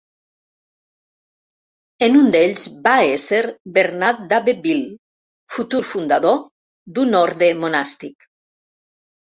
En un d'ells va ésser Bernat d'Abbeville, futur fundador d'un orde monàstic.